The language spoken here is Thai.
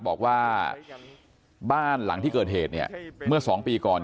บอกว่าบ้านหลังที่เกิดเหตุเนี่ยเมื่อ๒ปีก่อน